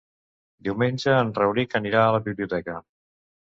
Diumenge en Rauric anirà a la biblioteca.